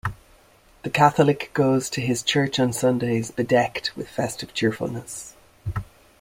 The Catholic goes to his church on Sundays bedecked with festive cheerfulness.